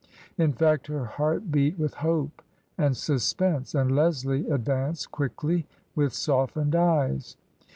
In fact, her heart beat with hope and suspense, and Leslie ad vanced quickly with softened eyes.